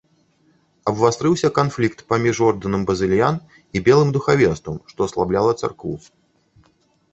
Абвастрыўся канфлікт паміж ордэнам базыльян і белым духавенствам, што аслабляла царкву.